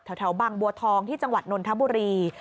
แถวบางบัวทองที่จังหวัดนนทบุรี